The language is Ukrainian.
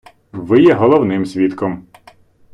Ви є головним свідком.